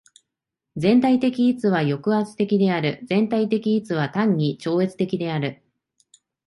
全体的一は抑圧的である。全体的一は単に超越的である。